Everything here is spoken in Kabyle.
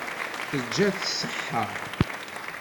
Teǧǧa-t ṣṣeḥḥa.